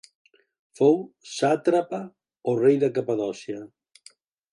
Fou sàtrapa o rei de Capadòcia.